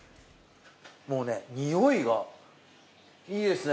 もうね匂いがいいですね。